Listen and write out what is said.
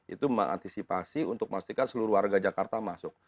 itu mengantisipasi untuk memastikan seluruh warga jakarta masuk